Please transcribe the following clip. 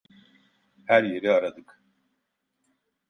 Her yeri aradık.